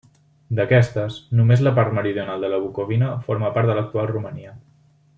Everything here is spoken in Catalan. D'aquestes, només la part meridional de la Bucovina forma part de l'actual Romania.